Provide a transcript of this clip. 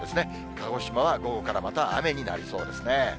鹿児島は午後からまた雨になりそうですね。